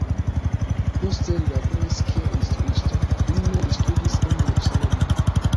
Poste li laboris kiel instruisto, dume li studis en Jerusalemo.